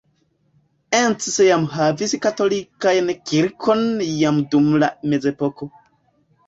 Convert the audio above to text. Encs jam havis katolikajn kirkon jam dum la mezepoko.